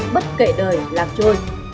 bất kể đời lạc trôi